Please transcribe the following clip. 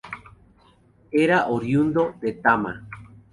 Era oriundo de Tama.